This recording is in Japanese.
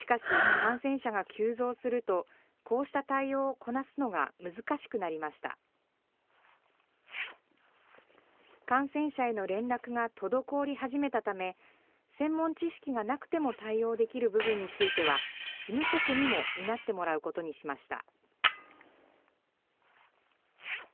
感染者への連絡が滞り始めたため、専門知識がなくても対応できる部分については、事務職にも担ってもらうことにしました。